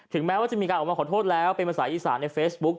แม้ว่าจะมีการออกมาขอโทษแล้วเป็นภาษาอีสานในเฟซบุ๊ค